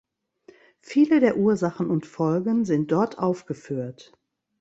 Viele der Ursachen und Folgen sind dort aufgeführt.